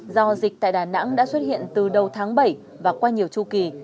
do dịch tại đà nẵng đã xuất hiện từ đầu tháng bảy và qua nhiều chu kỳ